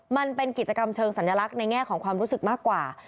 มันเป็นกิจกรรมเชิงสัญลักษณ์ในแง่ของความรู้สึกมากกว่า